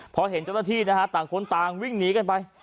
พอเห็นเจ้าหน้าที่นะฮะต่างคนต่างวิ่งหนีกันไป